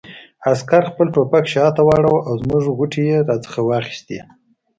عسکر خپل ټوپک شاته واړاوه او زموږ غوټې یې را څخه واخیستې.